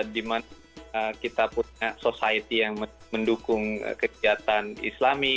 dimana kita punya society yang mendukung kegiatan islami